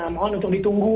mohon untuk ditunggu